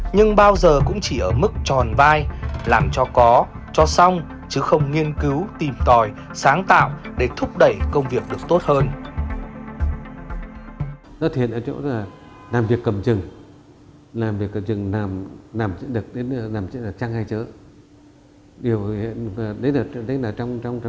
nhưng bao giờ cũng chỉ ở mức tròn vai làm cho có cho xong chứ không nghiên cứu tìm tòi sáng tạo để thúc đẩy công việc được tốt hơn